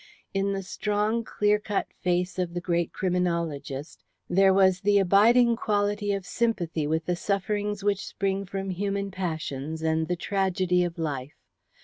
In the strong clear cut face of the great criminologist, there was the abiding quality of sympathy with the sufferings which spring from human passions and the tragedy of life.